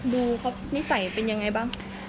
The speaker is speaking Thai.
ดูเขานิสัยเป็นยังไงบ้าง